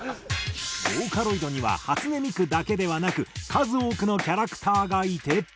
ボーカロイドには初音ミクだけではなく数多くのキャラクターがいて。